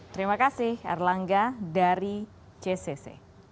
terima kasih arlangga dari ccc